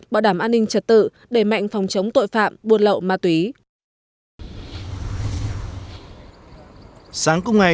bảo đảm an ninh trật tự đẩy mạnh phòng chống tội phạm buôn lậu ma túy